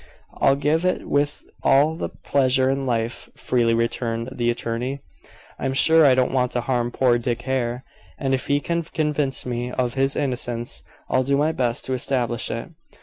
"I'll give it with all the pleasure in life," freely returned the attorney. "I'm sure I don't want to harm poor Dick Hare, and if he can convince me of his innocence, I'll do my best to establish it."